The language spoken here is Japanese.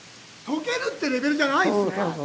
溶けるってレベルじゃないですね！